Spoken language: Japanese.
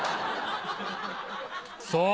そう。